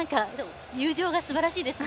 友情がすばらしいですね。